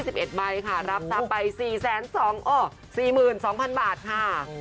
๒๑ใบค่ะรับทรัพย์ไป๔๒๐๐๐บาทค่ะ